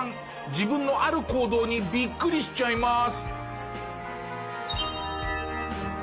自分のある行動にビックリしちゃいます。